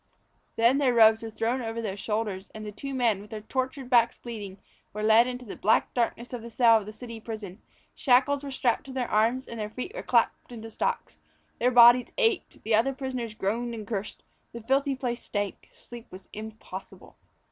Then their robes were thrown over their shoulders, and the two men, with their tortured backs bleeding, were led into the black darkness of the cell of the city prison; shackles were snapped on to their arms, and their feet were clapped into stocks. Their bodies ached; the other prisoners groaned and cursed; the filthy place stank; sleep was impossible.